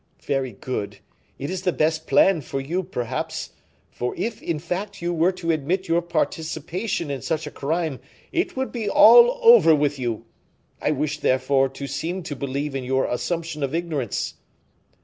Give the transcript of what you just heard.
Very good it is the best plan for you, perhaps; for if, in fact, you were to admit your participation in such a crime, it would be all over with you. I wish, therefore, to seem to believe in your assumption of ignorance."